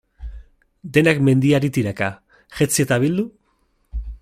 Denak mendiari tiraka, jetzi eta bildu?